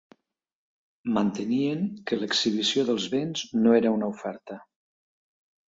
Mantenien que l'exhibició dels béns no era una oferta.